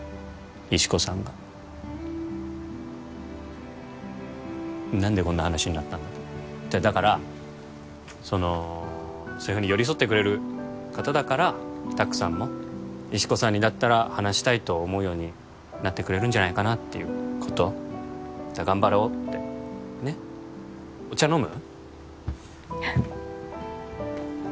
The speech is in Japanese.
石子さんが何でこんな話になったんだろだからそのそういうふうに寄り添ってくれる方だから拓さんも石子さんにだったら話したいと思うようになってくれるんじゃないかなっていうこと頑張ろうってねっお茶飲む？